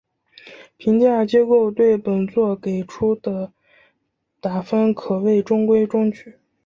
评价机构对本作给出的打分可谓中规中矩。